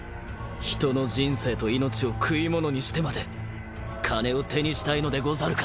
人の人生と命を食いものにしてまで金を手にしたいのでござるか？